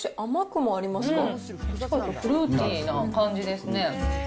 フルーティーな感じですね。